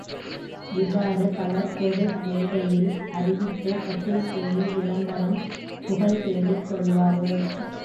இவ்வாறு பலர் பொது, மேடையில் அறிவித்து பத்திரிகையில் விளம்பரம், புகழ் தேடிக் கொள்வார்கள்.